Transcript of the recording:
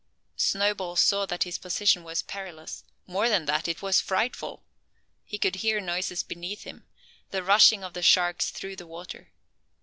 Snowball saw that his position was perilous, more than that: it was frightful. He could hear noises beneath him, the rushing of the sharks through the water.